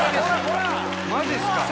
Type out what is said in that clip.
マジっすか？